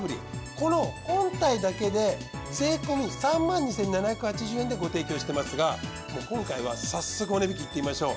この本体だけで税込３２，７８０円でご提供してますがもう今回は早速お値引きいってみましょう。